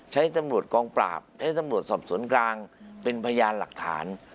ใช้ตำรวจกองปราบใช้ตำรวจสอบสวนกลางเป็นพยานหลักฐาน